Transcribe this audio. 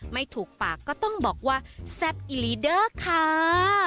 ไม่ถูกปากก็ต้องบอกว่าแซ่บอิลีเดอร์ค่ะ